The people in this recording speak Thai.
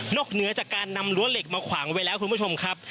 เหนือจากการนำรั้วเหล็กมาขวางไว้แล้วคุณผู้ชมครับ